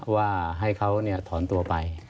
ว่าให้เขาถอนตัวไป